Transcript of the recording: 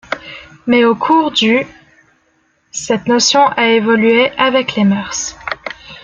Mais au cours du cette notion a évolué avec les mœurs.